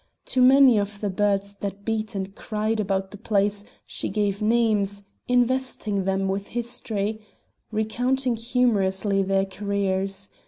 To many of the birds that beat and cried about the place she gave names, investing them with histories, recounting humorously their careers.